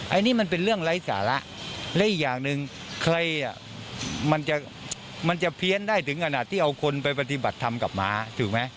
อันนี้มันเป็นเรื่องไร้สาระและอีกอย่างหนึ่งใครมันจะมันจะเพี้ยนได้ถึงขนาดที่เอาคนไปปฏิบัติธรรมกับม้าถูกไหม